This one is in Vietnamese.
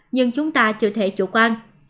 nhưng chúng ta chưa thể chủ quan